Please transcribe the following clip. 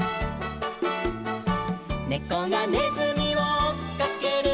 「ねこがねずみをおっかける」